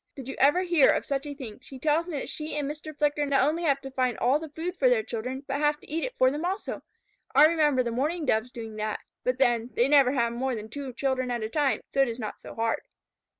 "Did you ever hear of such a thing? She tells me that she and Mr. Flicker not only have to find all the food for their children, but have to eat it for them also. I remember the Mourning Doves doing that, but then, they never have more than two children at a time, so it is not so hard."